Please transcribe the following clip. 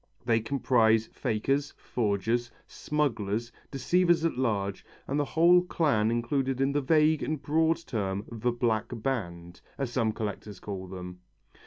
They comprise fakers, forgers, smugglers, deceivers at large, and the whole clan included in the vague and broad term "the black band," as some collectors call them.